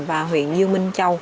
và huyện như minh châu